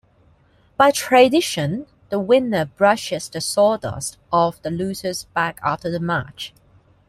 By tradition the winner brushes the sawdust off the loser's back after the match.